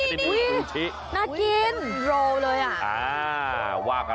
นี่นี่นี่น่ากิน